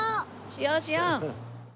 しようしよう！